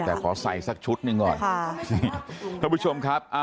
แต่ขอใส่สักชุดหนึ่งก่อนค่ะท่านผู้ชมครับ